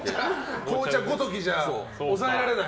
紅茶ごときじゃ抑えられない。